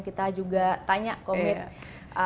kita juga tanya komit pln pun komit